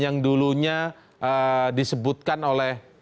yang dulunya disebutkan oleh